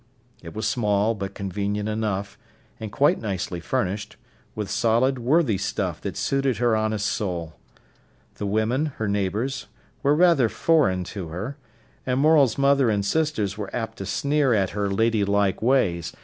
It was small, but convenient enough, and quite nicely furnished, with solid, worthy stuff that suited her honest soul. The women, her neighbours, were rather foreign to her, and Morel's mother and sisters were apt to sneer at her ladylike ways.